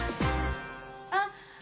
あっ！